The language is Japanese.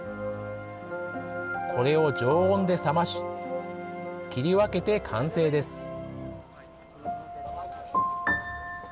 これを常温で冷まし切り分けて完成です。